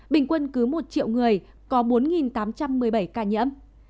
bình quân cứ một triệu người có bốn tám trăm một mươi bảy ca nhiễm